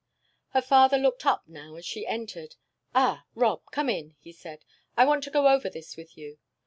Her father looked up now as she entered. "Ah, Rob, come in," he said. "I want to go over this with you.